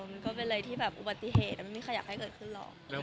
มันเป็นเลยที่แบบอุบัติเหตุมันไม่มีใครอยากให้มันเกิดสึ่งหรอ